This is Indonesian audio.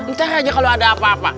ntar aja kalau ada apa apa